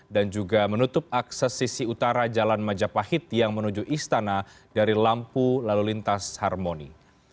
dan juga menutup akses sisi utara jalan majapahit yang menuju istana dari lampu lalu lintas harmoni